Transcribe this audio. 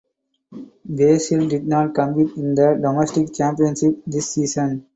Basel did not compete in the domestic championship this season.